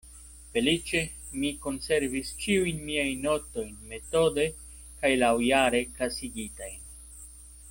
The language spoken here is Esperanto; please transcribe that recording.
Feliĉe mi konservis ĉiujn miajn notojn metode kaj laŭjare klasigitajn.